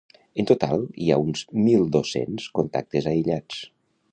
En total hi ha uns mil dos-cents contactes aïllats.